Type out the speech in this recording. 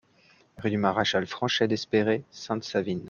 Rue du Maréchal Franchet d'Esperey, Sainte-Savine